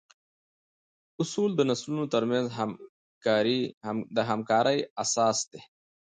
اصول د نسلونو تر منځ د همکارۍ اساس دي.